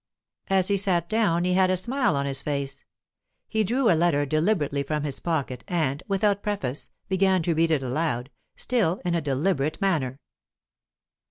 As he sat down, he had a smile on his face; he drew a letter deliberately from his pocket, and, without preface, began to read it aloud, still in a deliberate manner.